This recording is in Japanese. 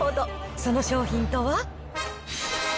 その商品とは。